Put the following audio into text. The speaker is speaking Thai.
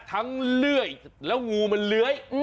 ทั้งเลื่อยแล้วงูมันเหลือย